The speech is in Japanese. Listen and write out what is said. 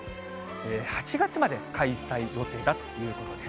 ８月まで開催予定だということです。